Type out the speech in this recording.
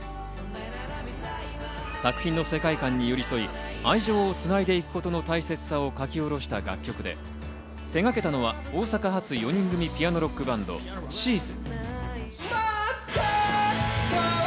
作品の世界観に寄り添い、愛情をつないでいくことの大切さを書き下ろした楽曲で手がけたのは、大阪発、４人組ピアノロックバンド、ＳＨＥ’Ｓ。